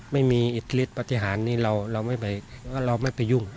ไม่มีอิทธิฤทธิ์ปัทธิหารนี้เราไม่ไปเราไม่ไปยุ่ง